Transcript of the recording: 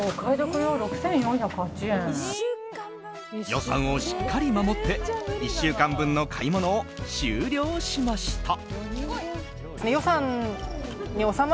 予算をしっかり守って１週間分の買い物を終了しました。